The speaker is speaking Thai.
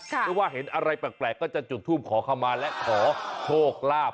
หรือว่าเห็นอะไรแปลกก็จะจุดทูปขอเข้ามาและขอโชคลาภ